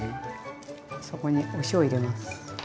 そこにお塩を入れます。